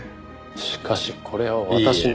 しかしこれは私の。